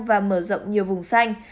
và mở rộng nhiều vùng xanh